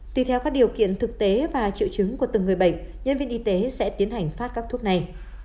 tùy theo các điều kiện thực tế và triệu chứng của từng người bệnh nhân viên y tế sẽ tiến hành phát các thuốc này